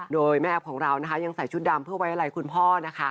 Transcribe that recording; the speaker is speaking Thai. โดยแม่แอฟของเรานะคะยังใส่ชุดดำเพื่อไว้อะไรคุณพ่อนะคะ